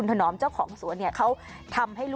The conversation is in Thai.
ก็ได้ไง